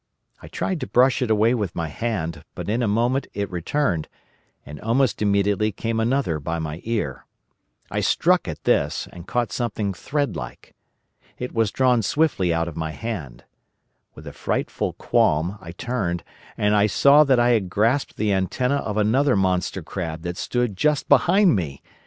I tried to brush it away with my hand, but in a moment it returned, and almost immediately came another by my ear. I struck at this, and caught something threadlike. It was drawn swiftly out of my hand. With a frightful qualm, I turned, and I saw that I had grasped the antenna of another monster crab that stood just behind me.